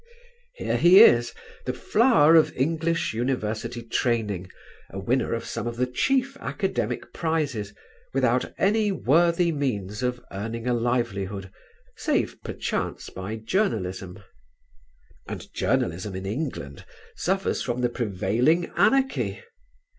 Here he is, the flower of English University training, a winner of some of the chief academic prizes without any worthy means of earning a livelihood, save perchance by journalism. And journalism in England suffers from the prevailing anarchy.